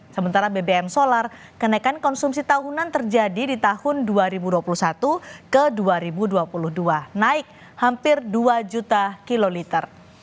sementara bbm solar kenaikan konsumsi tahunan terjadi di tahun dua ribu dua puluh satu ke dua ribu dua puluh dua naik hampir dua juta kiloliter